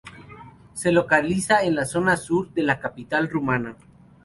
Se localiza en la zona sur de la capital rumana.